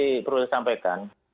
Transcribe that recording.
saya sudah sampaikan